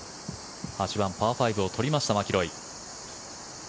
８番、パー５を取りましたマキロイ。